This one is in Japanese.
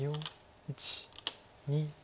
１２。